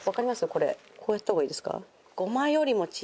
これこうやった方がいいですか？